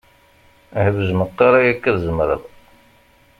Hbej meqqar ayakka tzemret.